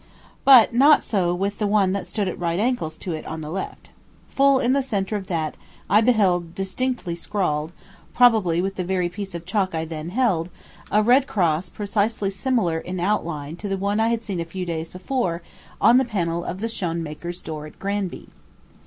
But not so with the one that stood at right angles to it on the left. Full in the centre of that, I beheld distinctly scrawled, probably with the very piece of chalk I then held, a red cross precisely similar in outline to the one I had seen a few days before on the panel of the Schoenmakers' door at Granby.